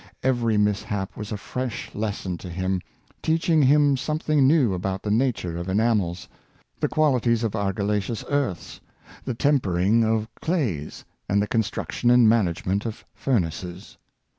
Every mishap was a fresh lesson to him, teaching him something new about the nature of enamels, the qualities of argillaceous earths, the temper ing of clays, and the construction and management of furnaces.